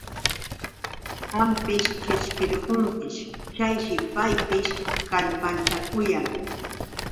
Qampis qishpirqunkish, chashi paypis kallpanchakuyan.